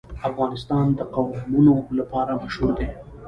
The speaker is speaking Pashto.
افغانستان د قومونه لپاره مشهور دی.